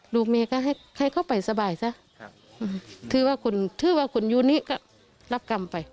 ลูกเม่ก็ให้เข้าไปสบายซะถือว่าคนอยู่นี่ก็รับกรรมไป